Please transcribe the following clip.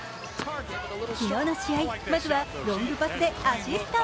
昨日の試合、まずはロングパスでアシスト。